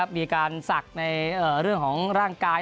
มีการสักในร่างกาย